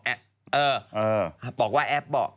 บอกว่าแอปบอก